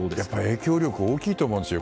影響力が大きいと思うんですよ